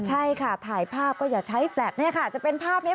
ใช่ค่ะถ่ายภาพก็อย่าใช้แฟลตเนี่ยค่ะจะเป็นภาพนี้